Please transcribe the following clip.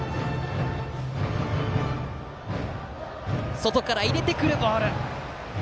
外から入れてくるボール。